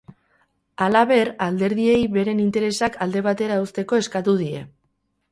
Halaber, alderdiei beren interesak alde batera uzteko eskatu die.